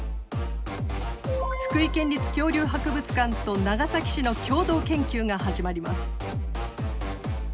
福井県立恐竜博物館と長崎市の共同研究が始まります。